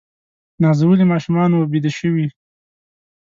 نازولي ماشومان وه بیده شوي